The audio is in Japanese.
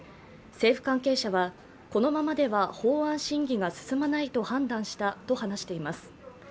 政府関係者は、このままでは法案審議が進まないと判断したと話しています。